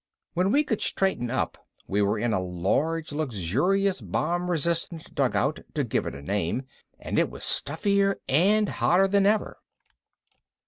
When we could straighten up we were in a large and luxurious bomb resistant dugout, to give it a name. And it was stuffier and hotter than ever.